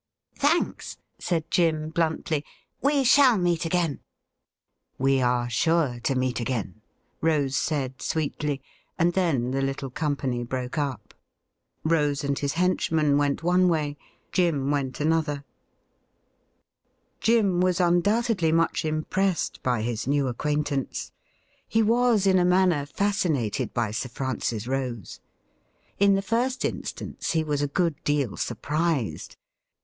' Thanks,' said Jim bluntly ;' we shall meet again.' 'We are sure to meet again,' Rose said sweetly, and then the little company broke up. Rose and his henchman went one way ; Jim went another. 142 THE RIDDLE RING Jim was undoubtedly much impressed by bis new acquaintance. He was in a manner fascinated by Sir Francis Rose. In the first instance, he was a good deal surprised.